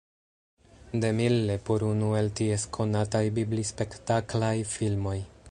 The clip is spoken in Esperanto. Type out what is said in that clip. DeMille por unu el ties konataj biblispektaklaj filmoj.